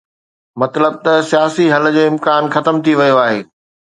مطلب ته سياسي حل جو امڪان ختم ٿي ويو آهي.